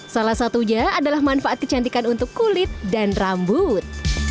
salah satunya adalah manfaat kecantikan untuk kulit dan rambut